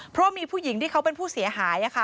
เพราะมีผู้หญิงที่เขาเป็นผู้เสียหาย